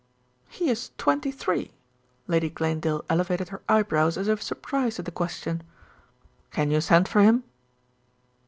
"He is twenty three." Lady Glanedale elevated her eyebrows as if surprised at the question. "Can you send for him?"